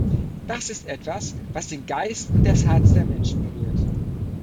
Das ist etwas, was den Geist und das Herz der Menschen berührt.